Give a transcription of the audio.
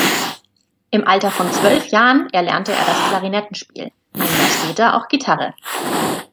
Im Alter von zwölf Jahren erlernte er das Klarinettenspiel, ein Jahr später auch Gitarre.